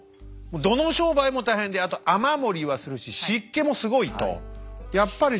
どの商売も大変であと雨漏りはするし湿気もすごいと。